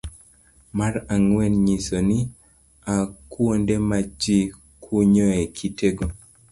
Mar ang'wen nyiso ni; A. Kuonde ma ji kunyoe kitego